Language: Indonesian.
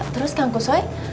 terus kang kusoy